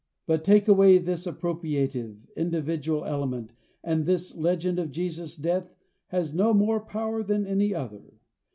But take away this appropriative, individual element, and this legend of Jesus's death has no more power than any other.